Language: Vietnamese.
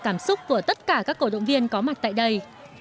cảm xúc của tất cả các cổ động viên có mặt tại đây